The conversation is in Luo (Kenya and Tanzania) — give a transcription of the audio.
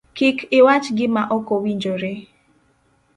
Kik iwach gima okowinjore